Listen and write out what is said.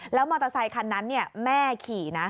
แล้วมอเตอร์ไซคันนั้นแม่ขี่นะ